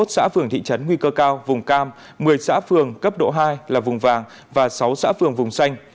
hai mươi xã phường thị trấn nguy cơ cao vùng cam một mươi xã phường cấp độ hai là vùng vàng và sáu xã phường vùng xanh